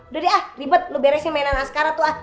jadi ah ribet lo beresin mainan askara tuh ah